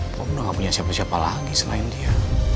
pokoknya udah nggak punya siapa siapa lagi selain dia